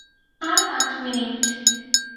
আর পাঁচ মিনিট।